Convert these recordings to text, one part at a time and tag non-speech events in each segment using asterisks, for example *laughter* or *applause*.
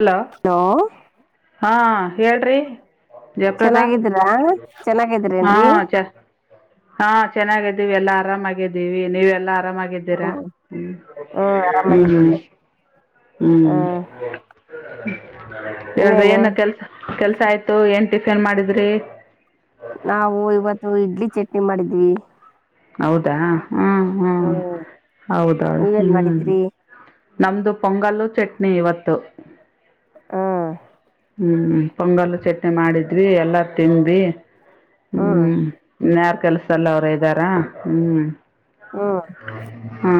hello ಹಾ ಹೇಳ್ರಿ ಜಯಪ್ರದಾ ಚೆನ್ನಾಗಿದ್ದೀರಾ ಹಾ ಚೆನ್ನಾಗಿದ್ರೇನ್ರಿ ಚಸ್ ಹಾ ಚೆನ್ನಾಗಿದ್ದೀವಿ ಎಲ್ಲಾ ಆರಾಮಾಗಿದ್ದೀವಿ ನೀವೆ ಎಲ್ಲಾ ಆರಾಮಾಗಿದ್ದೀರಾ ಹ್ಮ್ ಹ್ಮ ಹ್ಮ್ ಆರಾಮಾಗಿದ್ದೀವಿ ಹ್ಮ್ ಹ್ಮ್ ಹೇಳ್ರಿ ಇನ್ನೇನು ಏನ್ ಕೆಲ್ಸ ಕೆಲ್ಸ ಆಯ್ತು ಏನ್ ಟಿಫನ್ ಮಾಡಿದ್ರಿ ನಾವು ಇವತ್ತು ಇಡ್ಲಿ ಚಟ್ನಿ ಮಾಡಿದ್ವಿ ಹೌದಾ ಹ್ಮ್ ಹ್ಮ್ ಹೌದಾ ನೀವೇನ್ ಹ್ಮ್ ಮಾಡಿದ್ರಿ ನಮ್ಮದು ಪೊಂಗಲ್ಲು ಚಟ್ನಿ ಇವತ್ತು ಹಾ ಹ್ಮ್ ಪೊಂಗಲ್ ಚಟ್ನಿ ಮಾಡಿದ್ವಿ ಎಲ್ಲಾ ತಿನ್್ಿ ಹ್ಮ್ ಹ್ಮ ಕೆಲ್ಸಲ್ಲ ಅವರ ಇದ್ದಾರ ಹ್ಮ್ ಹ್ಮ್ ಹ್ಮ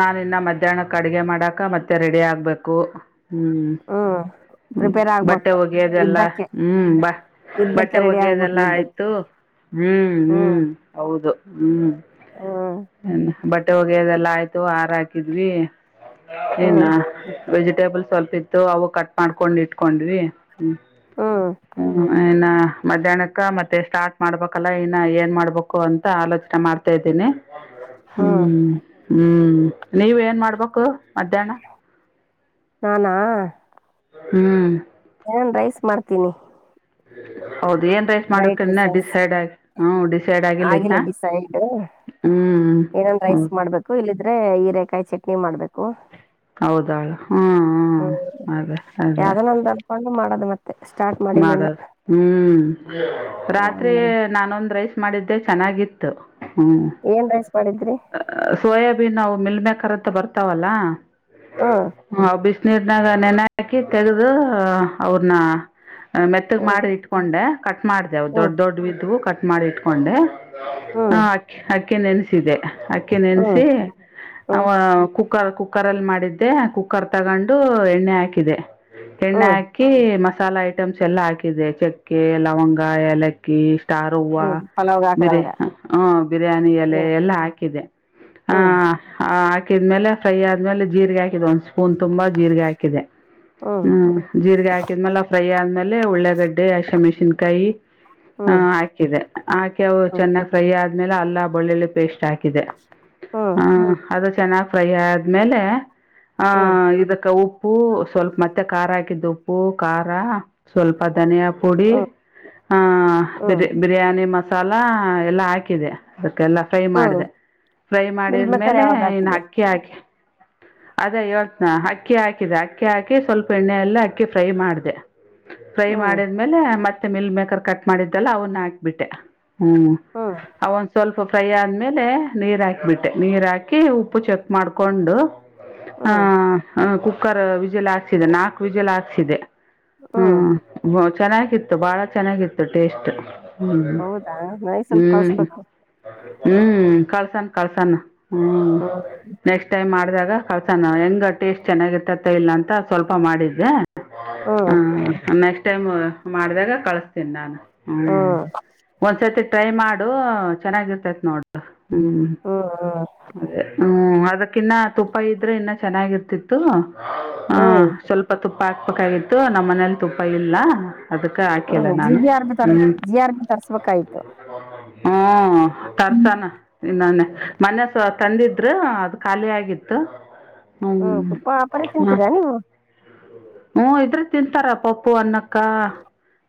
ನಾನ ಇನ್ನ ಮಧ್ಯಾಹ್ನಕ್ಕೆ ಅಡಗೆ ಮಾಡಾಕ ಮತ್ತೆ ರೆಡಿ ಆಗ್ಬೇಕು ಹ್ಮ್ ಹ್ಮ್ ಹ್ಮ್ ಪ್ರಿಪೇರ್ ಬಟ್ಟೆ ಆಗ್ಬೇಕು ಒಗೆಯೋದೆಲ್ಲಾ ಯುದ್ಧಕ್ಕೆ ಹ್ಮ್ ಬ ಯುದ್ಧಕ್ಕೆ ಬಟ್ಟೆ ರೆಡಿ ಆಗ್ಬೇಕು ಒಗೆಯೋದೆಲ್ಲಾ ಯುದ್ಧಕ್ಕೆ ಆಯ್ತು ಹ್ಮ್ ಹ್ಮ್ ಹೌದು ಹ್ಮ್ ಹ್ಮ್ ಬಟ್ಟೆ ಒಗೆದೆಲ್ಲ ಆಯ್ತು ಹಾರ ಹಾಕಿದ್ವಿ ಹ್ಮ್ ಇಏನಾ ವೆಜಿಟೇಬಲ್ ಸ್ವಲ್ಪ ಇತ್ತು ಅವು ಕಟ್ ಮಾಡ್ಕೊಂಡ್ ಇಟ್ಕೊಂಡ್ವಿ ಹ್ಮ ಹ್ಮ್ ಹ ನ್ನ ಮಧ್ಯಾಹ್ನಕ್ಕ ಮತ್ತೆ ಸ್ಟಾರ್ಟ್ ಮಾಡ್ಬೇಕಲ್ಲ ಇನ್ನ ಏನ್ ಮಾಡ್ಬೇಕು ಅಂತ ಆಲೋಚನೆ ಮಾಡ್ತಾ ಇದ್ದೀನಿ ಹ್ಮ್ ಹ್ಮ್ ನೀವ ಏನ್ ಮಾಡ್ಬೇಕು ಮಧ್ಯಾಹ್ನ ನಾನಾ ಹ್ಮ್ ನನ್ ರೈಸ್ ಮಾಡ್ತೀನಿ ಹ್ಮ ಹೌದು ಏನ್ ರೈಸ್ ಬ್ರೈಟ್ ಮಾಡಕನ್ನ ರೈಸಸ್ ಡಿಸೈಡ್ ಆಗಿ ಹ್ಮ ಡಿಸೈಡ್ ಆಗಿಲಿ ಇನ್ನ ಆಗಿಲ್ಲ ಡಿಸೈಡ್ ಹ್ಮ್ ಹೌ ಆದ್ರೆ ಈರೆೇಕಾಯಿ ಚಟ್ನಿ ಮಾಡ್ಬೇಕು ಹೌದಾಳ ಹ್ಮ ಅದೇ ಅದೇ ಮಾಡದು ಮತ್ತೆ ಸ್ಟಾರ್ಟ್ ಮಾಡಿಲಿನ ಮಾಡದು ಹ್ಮ್ ರಾತ್ರಿ ಹ್ಮ್ ನಾನೊಂದ್ ರೈಸ್ ಮಾಡಿದ್ದೆ ಚೆನ್ನಾಗಿತ್ತು ಹ್ಮ್ ಏನ್ ರ ಸೋಯಾಬೀನ್ ಅವು ಮಿಲ್ಮೇಕರ್ಂತ ಬರ್ತಾವಲ್ಲ ಹ್ಮ್ ನೀರ್ನಾಗ ನೆನೆ ಹಾಕಿ ತೆಗೆದು ಅವ್ರನ್ನ ಮೆತ್ತಗ್ ಹ್ಮ್ ಮಾಡಿ ಇಟ್ಕೊಂಡೆ ಕಟ್ ಮಾಡ್ದ ಅವ ಹ್ಮ್ ದೊಡ್ಡ ದೊಡ್ವಿದ್ದವು ಕಟ್ ಮಾಡಿ ಇಟ್ಕೊಂಡೆ ಹ್ಮ್ ಅ ಅಕ್ಕಿ ನೆನ್ಸಿದೆ ಅಕ್ಕಿ ಹ್ಮ್ ನೆನ್ಸಿ ಹ್ಮ್ ಕು ಕುಕ್ಕರ್ ಕುಕ್ಕರ ಅಲ್ಲಿ ಮಾಡಿದ್ದೆ ಕುಕ್ಕರ್ ತಗೊಂಡು ಎಣ್ಣೆ ಹಾಕಿದೆ ಎಣ್ಣೆ ಹ್ಮ್ ಹಾಕಿ ಮಸ್ ಮಸಾಲ ಐಟಮ್ಸ್ ಎಲ್ಲ ಹಾಕಿದೆ ಚಕ್ಕೆ ಲವಂಗ ಏಲಕ್ಕಿ ಾರವವ ಹ್ಮ್ ಪಲಾವ್ಗ ಬಿ ಹಾಕದಂಗ ಹ ಬಿರಿಯಾನಿ ಎಲೆ ಹ್ಮ್ ಎಲ್ಲಾ ಆತ ಆ ಹ್ಮ್ ಹಾಕಿದ್ಮೇಲೆ ಫ್ರ ಆದ್ಮೇಲೆ ಜೀರಿಗೆ ಹಾಕಿದ್ ಒಂದ್ ಹೂನ್ ತುಂಬಾ ಜೀರ್ರಿಗೆ ಹಾಕಿದೆ ಹ್ಮ್ ಜೀರಿಗೆ ಹಾಕಿದ್ಮ್ಲೆ ಫ್ರೈ ಆದ್ಮೇಲೆ ಉಳ್ಳೆಗಡ್ಡೆ ಶಮಿಶ ಚಿನ್ಕಾಯಿ ಹ್ಮ್ ಹಾಕಿದೆ ಹಾಕಿ ಅವು ಹ್ಮ್ ಚೆನ್ನಾಗ್ ಫ್ರೈ ಆದ ಲೆ ಅ ಬಳ್ಳಳ್ಳಿ ಪೇಸ್ಟ್ ಹಾಕಿದೆ ಹ್ಮ್ ಚೆನ್ನಾಗ್ ಫ್ರೈ ಆದ್ಮೇಲೆ ಆಹ ಹ್ಮ್ ಇದಕ್ಕೆ ಉಪ್ಪ ಉಪ್ಪು ಸ್ವಲ್ಪ ಮತ್ತೆ ಖಾರ ಹಾಕಿದ್ದು ಉಪ್ಪು ಖಾರ ಸ್ವಲ್ಪ ಧನಿಯ ಪುಡಿ ಹ್ಮ್ ಆಹ ಬಿ ಹ್ಮ್ ಬಿರಿಯಾನಿ ಮಸಾಲಾ ಎಲ್ಲಾ ಹಾಕಿದೆ ಅದಕ್ಕೆಲ್ಲ ಫ್ರೈ ಹ್ಮ್ ಮಾಡಿದೆ ಫ್ರೈ ಮಿಲ್ಮೇಕರ್ ಮಾಡಿದ್ಮೇಲೆ ಯಾವಾಗ ಇನ್ ಹಾಕಿದೆ ಅಕ್ಕಿ ಹಾಕಿ *inaudible* ಅದ ಹಏಳ್ತ್ನಾ ಅಕ್ಕಿ ಹಾಕಿದೆ ಅಕ್ಕಿ ಹಾಕಿ ಸ್ವಲ್ಪ ಎಣ್ಣೆ ಎಲ್ಲ ಅಕ್ಕಿ ಫ್ರೈ ಮಾಡ್ದ ಫ್ರೈ ಹ್ಮ್ ಮಾಡಿದ್ಮೇಲೆ ಮತ್ತೆ ಮಿಲ್ ಮೇಕರ್ ಕಟ್ ಮಾಡಿದ್ದಲ್ಲ ಅವನ್ನ ಹಾಕ್ಬಿಟ್ಟೆ ಹ್ಮ್ ಅವ ಒಂದ ಸ್ವಲ್ಪ ಫ್ರೈ ಆದ್ಮೇಲೆ ನೀರ್ ಹಾಕಿಬಿಟ್ಟೆ ನೀರ್ ಹಾಕಿ ಉಪ್ಪು ಚೆಕ್ ಮಾಡ್ಕೊಂಡು ಹ್ಮ್ ಆ ಕು ಕ್ಕರ್ ವಿಜಯಲ್ ಹಾಕ್ಸಿದೆ ನಾಲ್ಕು ವಿಜಯಲ್ ಹಾಕ್ಸಿದೆ ಹ್ಮ್ ಹ್ಮ ಚೆನ್ನಾಗಿತ್ತು ಭಾಳ ಚೆನ್ನಾಗಿತ್ತು ಟೇಸ್ಟ್ ಹ್ಮ ಹೌದಾ ನನಗ್ ಸ್ವಲ್ಪ ಹ್ಮ್ ಕಳ್ಸ್ಬೇಕು ಹ್ಮ್ ಕಳ್ಸಣ ಹ ಹ್ಮ್ ನೆಕ್ಸ್ಟ್ ಟೈಮ್ ಮಾಡ ಮಾಡಿದಾಗ ಕಳ್ಸಣ ಹೆಂಗ ಟೇಸ್ಟ್ ಚೆನ್ನಾಗಿರ್ತ್ತತ್ತ ಇಲ್ಲ ಅಂತ ಸ್ವಲ್ಪ ಮಾಡಿದ್ದೆ ಹ್ಮ್ ಹ ನೆಕ್ಸ್ಟ್ ಟೈಮ್ ಮಾಡಿದಾಗ ಕಳಸ್ತೀನಿ ನಾನು ಹ್ಮ ಹ್ಮ್ ಒಂದ್ಸರ್ತಿ ಟ್ರೈ ಮಾಡು ಚೆನ್ನಾಗಿರ್ತೈತ್ ನೋಡ ಹ್ಮ್ ಹ್ಮ್ ಅದೇ ಹ್ಮ್ ಅದಕ್ಕಿನ್ನ ತುಪ್ಪ ಇದ್ರೆ ಇನ್ನ ಚೆನ್ನಾಗಿರ್ತಿತ್ತು ಹಹ ಹ್ಮ್ ಸ್ವಲ್ಪ ತುಪ್ಪ ಪ್ಪಾಕ್ಪಕ್ ಆಗತ್ತು ನಮ್ಮ್ ಮನೇಲಿ ತುಪ್ಪ ಇಲ್ಲ ಅದಕ್ಕೆ ಹಾಕಿಲ್ಲ ಹ್ಮ್ ಜಿ ನಾನು ಬಿ ಆರ್ ಬಿ ತರ ಹ್ಮ್ ಜಿ ಆರ್ ಬಿ ತರ್ಸ್ಬೇಕಾಯ್ತು ಹ್ಮ ತರ್ಸಾನ ನೆ ಮನಸ ತಂದಿದ್ರ ಅದು ಖಾಲಿ ಆಗಿತ್ತು ಹ್ಮ್ ತುಪ್ಪ ಪರಿ ಹ ತಿಂತೀರಾ ನೀವು ಹ್ಮ ಇದ್ರ ತಿಂತಾರ ಪಪ್ಪು ಅನ್ನಕ್ಕ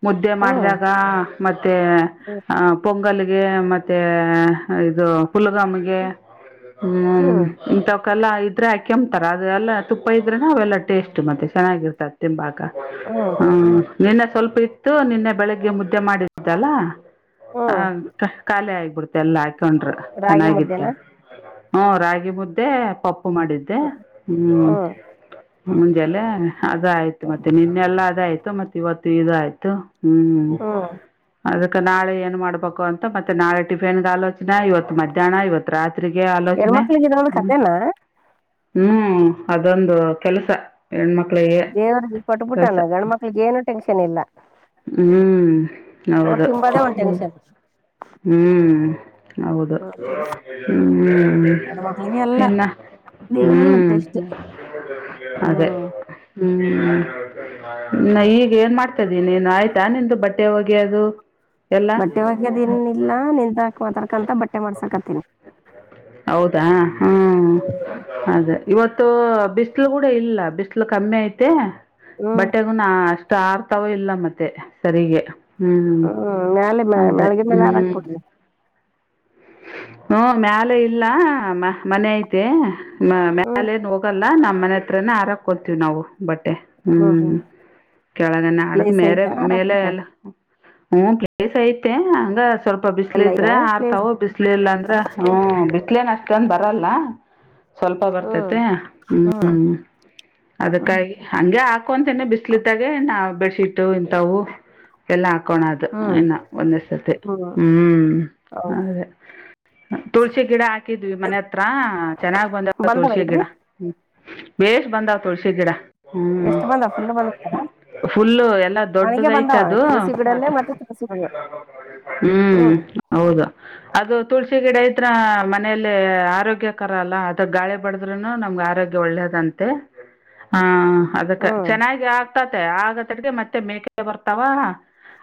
ಮುದ್ದೆ ಹ್ಮ್ ಮಾಡಿದಾಗ ಮತ್ತೆ ಹ್ಮ್ ಪೊಂಗಲ್ ಮತ್ತೆ ಇದು ಕುುಲ್ಗಾಮ್ಗೆ ಹ್ಮ್ ಇಂತ ಹಾಕ ಎಲ್ಲ ಇದ್ರೆ ಕೆಮ್ತಾರ ಅದುದೆಲ್ಲ ತುಪ್ಪ ಇದ್ರೆನೆ ಅವೆಲ್ಲ ಟೇಸ್ಟ್ ಮತ್ತೆ ಚೆನ್ನಾಗಿರ್ತದೆ ತಿಂಬಾಕ ಹ್ಮ ಹ್ಮ್ ನಿನ್ನೆ ಸ್ವಲ್ಪ ಇತ್ತು ನಿನ್ನೆ ಬೆಳಗ್ಗೆ ಮುದ್ದೆ ಮಾಡಿದ್ದಲ್ಲ ಹ ಹ್ಮ್ ಕಖಾಲಿ ಆಗ್ಬಿಡ್ತ ಎಲ್ಲಾ ಹಾಕೊಂಡ್ರಿ ರಾಗಿ ಮುದ್ದೆನಾ ಹ್ಮ ರಾಗಿ ಮುದ್ದೆ ಪಪ್ಪು ಮಾಡಿದ್ದೆ ಹ್ಮ್ ಹ್ಮ್ ಮುಂಜಲೆೆ ಅದ ಆಯ್ತು ಮತ್ತೆ ನಿನ್ನೆಲ್ಲ ಅದ ಆಯ್ತು ಮತ್ತೆ ಇವತ್ತು ಇ ಆಯ್ತು ಹ್ಮ್ ಅದಕ್ಕೆ ನಾಳೆ ಏನ್ ಮಾಡ್ಬೇಕು ಅಂತ ಮತ್ತೆ ನಾಳೆ ಟಿಫಿನ್ ಆಲೋಚನೆ ಇವತ್ತು ಮಧ್ಯಾಹ್ನ ಇವತ್ ರಾತ್ರಿಗೆ ಆಲೋಚನೆ ಹೆಣ್ಮಕ್ಳಿಗೆ ಇದೊಂದು ಹ್ಮ ಕತೆನಾ ಹ್ಮ್ ಅದೊಂದು ಕೆಲಸ ಹೆಣ್ಮಕ್ಳಿಗೆ ದೇವ್ರಿಗೆ ಕೆಲಸ ಕೊಟ್ಬಿಟ್ಟಣ ಗಂಡ ಮಕ್ಳಗ ಏನು ಟೆನ್ಷನ್ ಇಲ್ಲ ಹ್ಮ್ ಅವ್ರು ಹೌದಾ ತಿಂಬದೇ ಒಂದ್ ಟೆನ್ಷನ್ ಹ್ಮ್ ಹೌದು ಹ್ಮ್ ಹ್ಮ ಹೆಣ್ ಮಕ್ಳಿಗೆ ಎಲ್ಲ ಇನ್ನ ದೇವ್ರಲ್ಲ ಹ್ಮ್ ಟೆಸ್ಟ್ ಅದೇ ಹ್ಮ್ ಹ್ಮ್ ಈಗ ಏನ್ ಮಾಡ್ತೇನೆ ನೀನ್ನೇನು ಆಯ್ತಾ ನಿಂದು ಬಟ್ಟೆ ಹೋಗಿ ಅದು ಬಟ್ಟೆ ಒಗ್ಯದ ಇನ್ ಇಲ್ಲಾ ನಿಂತಾಕ್ ಮಾತಾಡ್ಕಂತ ಬಟ್ಟೆ ಮಾಡ್ಸಕತನಿ ಹೌದಾ ಹ್ಮ ಅದೇ ಇವತ್ತು ಬಿಸಿಲು ಕೂಡ ಇಲ್ಲ ಬಿಸಲು ಕಮ್ಮಿ ಐತೆ ಹ್ಮ್ ಬಟ್ಟೆಗುನು ಅಷ್ಟ ಷ್ಟ ಹಾರ್ತಾವೋ ಇಲ್ಲ ಮತ್ತೆ ಸರಿಗೆ ಹ್ಮ್ ಮ್ಯಾಲೆ ಅದೇ ಮ್ಯಾಳ್ಗಿ ಮೇಲೆ ಹ್ಮ್ ಹಾರಾಕ್ಬಿಡ್ರಿ ಹ್ಮ ಮ್ಯಾಲ ಇಲ್ಲ ಮನೆ ಐತೆ ಹ್ಮ್ ಮ್ಯಾಲೇನ್ ಹೋಗಲ್ಲ ನಮ್ಮ ಮನೆ ಹತ್ರನೇ ಆರಾಕೋತೀವಿ ನಾವು ಬಟ್ಟೆ ಬಟ್ಟೆ ಹ್ಮ್ ಕೆಳಗನೆ ಹಾಡಕ್ ಪ್ಲೇಸ್ ಮೇಲೆ ಐತಾ ಮೇಲೆ ಹಾರಾಕಕ್ಕ ಎಲ್ಲ ಹ್ಮ ಪ್ಲೇಸ್ ಐತೆ ಅಂದ್ರೆ ಸ್ವಲ್ಪ ಬಿಸಲು ಎಲ್ಲ ಐತಾ ಇದ್ರೆ ಪ್ಲೇಸ್ ಹಾರ್ತಾವ್ ಬಿಸ್ಲ ಇಲ್ಲಾಂದ್ರ ಹ್ಮ ಬಿಸಲೇನು ಅಷ್ಟೇನು ಬರಲ್ಲ ಸ್ವಲ್ಪ ಹ್ಮ್ ಬರ್ತೇತೆ ಹ್ಮ್ ಹ್ಮ್ ಹ್ಮ್ ಅದಕ್ಕಾಗಿ ಹಗೆ ಹಾಕೋಂತನ ಬಿಸ್ ಬಿಸುಯಿದ್ದಗೆ ನಾ ಬೆಡ್ಶೀಟ್ ಇಂಥವು ಎಲ್ಲಾ ಹಾ ಹಾಕೋಣದು ಹ್ಮ್ ಇನ್ನು ಒಂದೇ ಸರ್ತಿ ಹ್ಮ್ ಹೌದ ಅದೇ ತುಳಸಿ ಗಿಡ ಹಾಕಿದ್ವಿ ಮನೆ ಹತ್ರ ಚೆನ್ನಾಗ್ ಬಂದವ್ ತುಳಸಿ ಗಿಡ ಬಂದವೇನ್ರಿ ಭೇಷ್ ಬಂದಾವ್ ತುಳಸಿ ಗಿಡ ಹ್ಞೂ ಎಷ್ಟ್ ಬಂದ ಫುಲ್ ಬಂದ್ಬೇಕ ಫುಲ್ಲು ಎಲ್ಲಾ ದೊಡ್ಡದ ಐತೆ ಅದು ತುಳಸಿ ಗಿಡಲ್ಲೇ ಮತ್ತೆ ತುಳಸಿ ಗಿಡ ಹ್ಮ್ ಹೌದು ಅದು ತುಳಸಿ ಗಿಡ ಇಟ್ಟ ಮನೇೆಯಲ್ಲಿ ಆರೋಗ್ಯಕರ ಅಲ್ಲ ಅದ ಗಾಳಿ ಬಾಡೂದ್ರೂನು ನಮ್ಗೆ ಆರೋಗ್ಯ ಒಳ್ಳೇದಂತೆ ಹಾ ಅದಕ್ಕೆ ಹ್ಮ್ ಚೆನ್ನಾಗಿ ಆಗ್ತತೆ ಆಗತಡ್ಗೆ ಮತ್ತೆ ಮೇಕೆ ಬರ್ತಾವ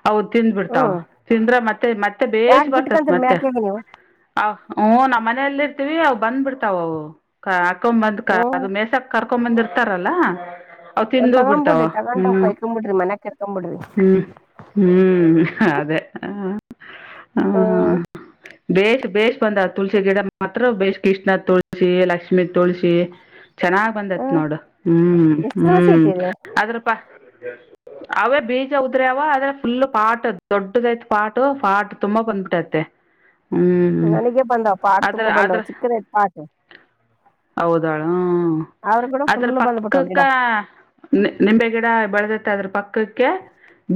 ಅವು ತಿಂದ್ ಬಿಡ್ತಾವ ಹ್ಮ್ ತಿಂದ್ರ ಮತ್ತೆ ಮತ್ತೆ ಬೇೇಶ್ ಯಾಕ್ ಬರ್ತತಿ ಬಿಟ್ಕಂತರಿ ಮತ್ತೆ ಮ್ಯಾಕ್ಯಾಗ ನೀವು ಅ ಹ ನಮ್ಮ್ ಮನೆಯಲ್ಲಿ ಇರ್ತೀವಿ ಅವು ಬಂದ್ಬಿಡ್ತಾವ ಅವು ಕರ್ಕೊ ಬಂದ್ ಹ್ಮ್ ಅದು ಮೇಸಕ್ ಕರ್ಕೊ ಬಂದ್ ಇರ್ತಾರಲ್ಲ ಅವು ಒಂದ್ ತಿಂದು ಬಿಡ್ತಾವ ತಗೊಂಬಿಡ್ರಿ ತಗೊಂಡ್ ಹ್ಮ್ ಕೊಯ್ಕೊಂಬಿಡ್ರಿ ಮನ್ಯಾಗ ಕೆರ್ಕೊಂಬಿಡ್ರಿ ಹ್ಮ್ ಹ್ಮ್ ಅದೇ ಹ ಹ್ಮ್ ಹ ಬೇಷ ಬೇಷ ಬಂದ ತುಳಸಿ ಗಿಡ ಮಾತ್ರ ಭೇಷ್ ಕೃಷ್ಣ ತುಳಸಿ ಲಕ್ಷ್ಮೀ ತುಳಸಿ ಚೆನ್ನಾಗ್ ಬಂದತ್ ಹ್ಮ್ ನೋಡು ಹ್ಮ್ ಎಷ್ಟು ತುಳಸಿ ಹ್ಮ್ ಇಟ್ಟಿರಿ ಆದ್ರಪ್ಪಾ ಅವೇ ಬೀಜ ಉದ್ರವ ಆದ್ರೆ ಫುಲ್ ಪಾಟ್ ದೊಡ್ಡದೈತ್ ಪಾಟ್ ಪಾಟ್ ತುಂಬಾ ಬಂದ್ಬಿಟ್ಟೈತೆ ಹ್ಞೂ ನನಗ ಬಂದವ ಪಾಟ್ ತುಂಬಾ ಬಂದಾವ ಚಿಕ್ಕದೈತೆ ಪಾಟ್ ಹೌದ ಹಾ ಆದ್ರ ಕೂಡ ಅದ್ರ ಫುಲ್ ಬಂದ್ಬಿಟ್ಟವ್ ಪಕ್ಕಕ್ಕ ಗಿಡ ನಿಂಬೆ ಗಿಡ ಬೆಳೆದ ಅದ್ರ ಪಕ್ಕಕ್ಕೆ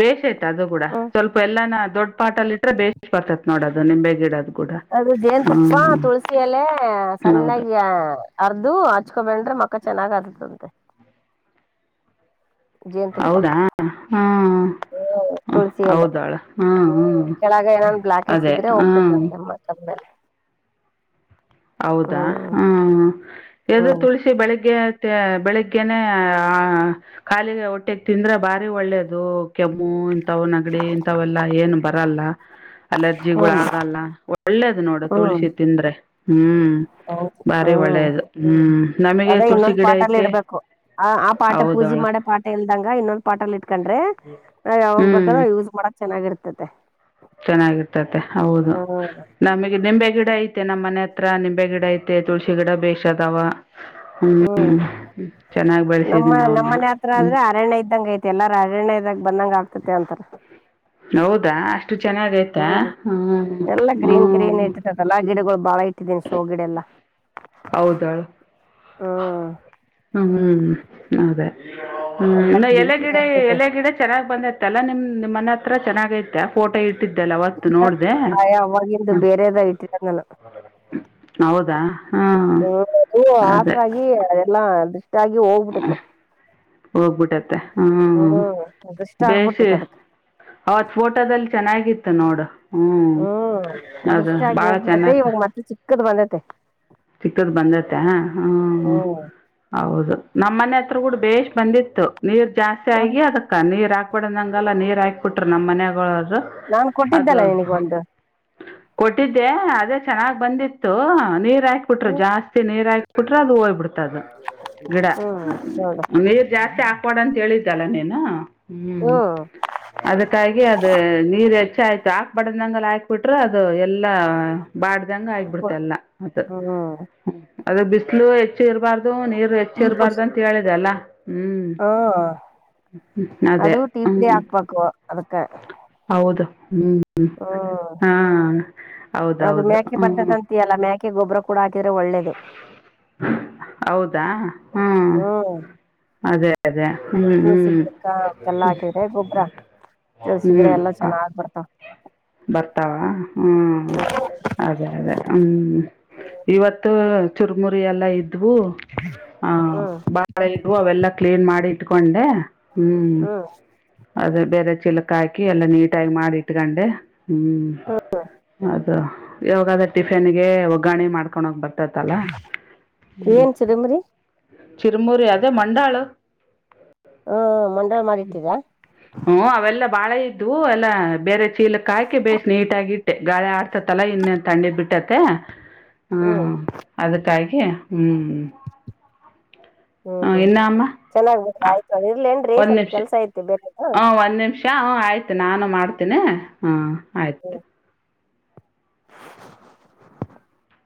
ಬೇಷ ಐತೆ ಅದು ಕೂಡ ಹ್ಮ್ ಸ್ವಲ್ಪ ಎಲ್ಲಾನ ದೊಡ್ ಪಾಟ ಅಲ್ಲಿ ಇಟ್ರೆ ಬೇಶ್ ಬರ್ತತೆ ನೋಡೋದು ನಿಂಬೆ ಗಿಡದು ಅದು ಜೇನು ತಪ್ಪ ತುಳಸಿ ಎಲೆ ಹೌದು ಸಣ್ಣಾಗಿ ಅರ್ದು ಹಚ್ಕೊಬಂಡ್ರೆ ಮಕ್ ಮಕ್ಕ ಚೆನ್ನಾಗಾದದ್ದಂತೆೆ ಹೌದಾ ಹ್ಮ್ ಹ್ಮ್ ಹ ತುಳಸಿ ಎಲೆ ಹೌದಾಳ ಹ್ಮ್ ಹ್ಮ್ ಕೆಳಗ ಏನನ್ ಬ್ಲಾಕೆಟ್ಸ್ ಅದೇ ಇದ್ರೆ ಹ್ಮ್ ಹೋಗ್ತದಂತೆ ಮಕ್ಕದ ಮೇಲೆ ಹೌದಾ ಹ್ಮ್ ಹ ಇದು ಹ್ಮ್ ತುಳಸಿ ಬೆಳಿಗ್ಗೆ ಮತ್ತೆ ಬೆಳಿಗ್ಗೆನೆ ಆ ಖಾಲಿಗೆ ಹೊಟ್ಟೆಗೆ ತಿಂದ್ರೆ ಬಾರಿ ಒಳ್ಳೇದು ಕೆಮ್ಮು ಇಂತವ್ ನೆಗಡಿ ಇಂಥವೆಲ್ಲಾ ಏನು ಬರಲ್ಲ ಅಲರ್ಜಿಗಳು ಹ್ಮ್ ಆಗಲ್ಲ ಒಳ್ಳೇದು ನೋಡು ಹ್ಮ್ ತುಳಸಿ ತಿಂದ್ರೆ ಹ್ಮ್ ಹೌದು ಹ್ಮ ಭಾರಿ ಹ್ಮ್ ಒಳ್ಳೇದು ಹ್ಮ್ ನಮಗೆ ಅದೇ ತುಳಸಿ ಇನ್ನೊಂದ್ ಗಿಡ ಪಾಟಲ್ಲಿ ಐತೆ ಇಡ್ಬೇಕು ಆ ಆ ಪಾರ್ಟ್ ಹೌದಾ ಪೂಜೆ ಮಾಡೇ ಪಾರ್ಟ್ ಎಲ್ದಂಗ ಇನ್ನೊಂದ್ ಪಾಟ್ ಇಟ್ಕೊಂಡ್ರಿ ನಾವ್ ಯಾವಾಗ ಬೇಕಾದೋ ಹ್ಞೂ ಯೂಸ್ ಮಾಡಕ್ ಚೆನ್ನಾಗಿರ್ತತೆ ಚೆನ್ನಾಗಿರ್ತತೆ ಹೌದು ಹ್ಮ್ ನಮಗೆ ನಿಂಬೆ ಗಿಡ ಐತೆ ಐ ನಮ್ಮ ಮನೆ ಹತ್ರ ನಿಂಬೆ ಗಿಡ ಐತೆ ತುಳಸಿ ಗಿಡ ಬೇಶ್ ಅದಾವ ಹ್ಞೂ *inaudible* ಹ್ಮ್ ಚೆನ್ನಾಗಿ ನಮ್ಮ ಬೆಳೆಸಿದೀನಿ ನಮ್ಮ ಅವನ್ನ ಮನೆ ಹತ್ರ ಹ್ಞೂ ಆದ್ರೆ ಅರಣ್ಯ ಇದ್ದಂಗ ಐತೆ ಎಲ್ಲಾರ ಅರಣ್ಯ ಇದ್ದಂಗ ಬಂದಂಗ ಆಗ್ತತೆ ಅಂತಾರ ಹೌದಾ ಅಷ್ಟು ಚೆನ್ನಾಗಿ ಆಯ್ತಾ ಹ್ಮ್ ಹ್ಮ ಹ್ಮ ಬಾಳಇಟ್ಟಿದೀನಿ ಶೋಗಿಡಡೆಲ್ಲ ಹೌದಳು ಹ್ಮ್ ಹ್ಮ್ ಅದೇ ಎಲ್ಲಾ ಹ್ಮ್ ಗ್ರೀನ್ ಎಲೆ ಗಿಡ ಇರ್ತದೆ ಎಲೆ ಗಿಡ ಚೆನ್ನಾಗ್ ಬಂದತ್ತಲ್ಲಾ ನಿಮ್ ನಿ ಮ ಹತ್ರ ಚೆನ್ನಾಗೈಐತೆ ಫೋಟೋ ಇಟ್ಟ ಆಯಾ ಅವಾಗಂದು ಹ್ಞೂ ಬೇರೆದ ಇಟ್ಟಿದಂಗಾನ ಹೌದಾ ಹಾಂ ಹ ಅ ಅದೇ ಹಸರಾಗಿ ಅದೆಲ್ಲಾ ದೃಷ್ಟಾಗಿ ಹೋಗ್ಬಿಟ್ಟತ್ತೆ ಹೋಗ್ಬಿಟ್ಟತ್ತೆ ಹ್ಮ ದೃಷ್ಟ ಬೇಸ ಆಗ್ಬಿಟ್ಟೈತ್ ಅದಕ್ಕ ಅವತ್ ಫೋಟೋದಲ್ಲಿ ಚೆನ್ನ ಹಗಿತ್ತು ನೋಡ ಹ್ಮ್ ಹ್ಮ್ ಅದು ದೃಷ್ಟಿ ಆಗಿ ಬಾಳ ಚೆನ್ನ ಹೋಗ್ಬಿಟ್ಟತೆ ಇವಾಗ ಮತ್ತೆ ಚಿಕ್ಕದ್ ಬಂದೈತೆ ಚಿಕ್ಕದ್ ಬಂದತೆ ಹ್ಮ ಹೌದು ನಮ್ಮ್ನೆ ಹತ್ರ ಕೂಡ ಬೇಷ್ ಬಂದಿತ್ತು ನೀರ್ ಜಾಸ್ತಿ ಆಗಿ ಅದಕ್ಕ ನೀರ್ ಹಾ ಕಪಡದಗೆಲ್ಲ ನೀರ್ ಹಾಕ್ಬಟ್ರ ನಮ್ಮ್ ಮನಯಗಳರು ನಾನ್ ಅದು ಕೊಟ್ಟಿದ್ದಲ್ಲ ನಿನಗ್ ಒಂದು ಕೊಟ್ಟಿದ್ದೆ ಅದೇ ಚೆನ್ನಾಗ್ ಬಂದಿತ್ತು ನೀರ್ ಹಾಕ್ಬಿಟ್ರು ಜಾಸ್ತಿ ನೀರ್ ಹಾ ಕುಟ್ರ ಅದು ಹೋಗಬಿಡ್ತದು ಗಿಡ ಹ್ಮ್ ನೋಡು ನೀ ಜಾಸ್ತಿ ಆ ಕೊಡ ಅಂತ ಹೇಳಿದ್ದಲ್ಲ ನೀನ ಹ್ಮ್ ಅದಕ್ಕಾಗಿ ಅದ ನೀರ್ ಚೆ ಆಯ್ತು ಹಾಕ್ಬಡ್ದಂಗಲ್ಲ ಹಾಕ್ ಬಿಟ್ರೆ ಅದು ಎಲ್ಲ ಬಾಡ್ದಂಗ ಆಗಬಿಡ್ತ ಎಲ್ಲ ಮತ್ತ ಹ್ಮ ಅದ ಬಿಸಲು ಹೆಚ್ಚು ಇರಬಾರ್ದು ನೀರು ಹೆಚ್ಚು ಇರಬಾರ್ದು ಅಂತ ಹೇಳಿದೆಲ್ಲ ಹ್ಮ ಅದೇ ಅದು ಟೀಪಡಿ ಹ್ಞೂ ಹಾಕ್ಬೇಕು ಅದ ಹೌದು ಹ್ಮ್ ಹ್ಮ ಹ್ಮ್ ಹಾ ಅದು ಹೌದೌದು ಮ್ಯಾಕೆ ಹ್ಮ್ ಬರ್ತದಂತಯಲ್ಲ ಮ್ಯಾಕೆ ಗೊಬ್ಬರ ಕೂಡ ಹಾಕಿದ್ರೆ ಒಳ್ಳೇದು ಹೌದಾ ಹ್ಮ್ ಅದೇ ಅದೇ ಹ್ಮ್ ೂಸಿ ಗಿಡಕ ಅವಕ್ಕೆಲ್ಲಾ ಹ್ಮ್ ಹಾಕಿದ್ರೆ ಗೊಬ್ಬ್ರ ಕೆಸಗಿಡೆ ಹ್ಮ್ ಎಲ್ಲಾ ಚೆನ್ನಾಗಗ್ಬರ್ತಾವ ಬರ್ತಾವ ಹ್ಮ್ ಅದೇ ಅದೇ ಹ್ಮ್ ಇವತ್ತು ಚುರ್ಮುರಿ ಎಲ್ಲ ಇದ್ವು ಹ ಹ್ಮ್ ಬಾಳ ಇದವು ಅವೆಲ್ಲಾ ಕ್ಲೀನ್ ಮಾಡಿ ಇಟ್ಕೊಂಡೆ ಹ್ಮ್ ಅದ ಬೇರೆ ಚೀಲಕ ಹಾಕಿ ಎಲ್ಲಾ ನೀಟಾಗಿ ಮಾಡಿ ಇಟ್ಕಂಡೆ ಹ್ಮ್ ಅದು ಯಾಗಾದ್ರ ಟಿಫಿನ್ಗೆ ಒಗ್ಗಾಣೆ ಮಾಡ್ಕೊಂಡ ಹೋಗ್ ಬರ್ತವಿ ತಲ್ಲ ಹ್ಮ್ ಏನ್ ಚಿದಂಬರಿ ಚಿರುಮುರಿ ಅದೇ ಮಂಡಾಳ ಹ್ಮ ಮಂಡಳ ಮಾಡಿಟ್ಟೀರಾ ಹ್ಮ ಅವೆಲ್ಲ ಬಾಳ ಇದ್ದವು ಎಲ್ಲಾ ಬೇರೆ ಚೀಲಕ್ ಹಾಕಿ ಬೇ್ ನೀಟಗ ಇಟ್ಟೆ ಗಾಳಿ ಆಡ್ ತಲಾ ಇನ್ನ ತಂಡಿ ಬಿಟ್ಟತ್ತ ಹ್ಮ್ ಅದಕ್ಕಾಗಿ ಹ್ಮ್ ಹ್ಮ್ ಚೆನ್ನಾಗ್ಬೇಡ್ರ ಆಯ್ತ ಇರ್ಲ ಏನ್್ರೀ ಸ್ವಲ್ಪ ಕೆಲ್ಸ ಐತಿ ಬೇರೆನ ಆಯ್ತು ನಾನು ಮಾಡ್ತೇನಿ ಹ್ಮ ಹ್ಮ